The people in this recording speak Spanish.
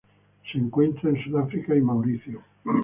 Se encuentran en Sudáfrica y Mauricio.